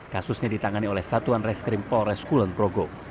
kasusnya ditangani oleh satuan reskrim polres kulonprogo